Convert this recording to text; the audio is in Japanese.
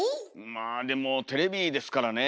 まあでもテレビですからね。